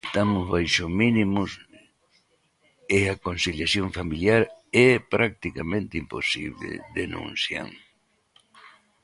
"Estamos baixo mínimos e a conciliación familiar é practicamente imposible", denuncian.